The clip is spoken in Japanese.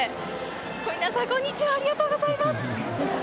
皆さん、こんにちは、ありがとうございます。